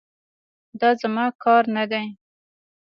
دا زما کار نه دی.